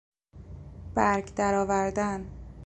برگ درآوردن